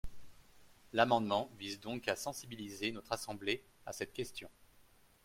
L’amendement vise donc à sensibiliser notre assemblée à cette question.